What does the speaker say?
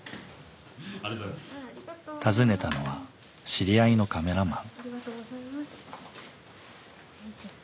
訪ねたのは知り合いのカメラマン。